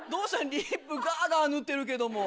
リップガガ塗ってるけども。